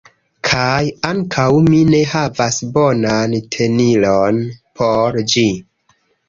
kaj ankaŭ mi ne havas bonan tenilon por ĝi.